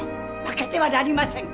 負けてはなりません！